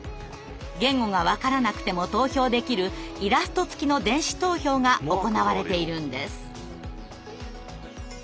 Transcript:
言語が分からなくても投票できるイラスト付きの電子投票が行われているんです。